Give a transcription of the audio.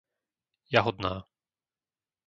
Jahodná